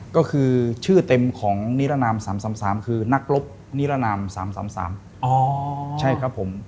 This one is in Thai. ก็คือชื่อเต็มของนิระนาม๓๓๓คือนักรบนิระนาม๓๓๓